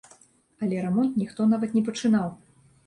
Але рамонт ніхто нават не пачынаў.